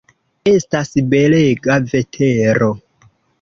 Estas belega vetero.